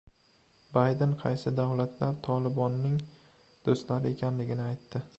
Bayden qaysi davlatlar "Tolibon"ning do‘stlari ekanligini aytdi